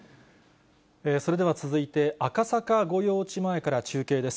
それでは続いて、赤坂御用地前から中継です。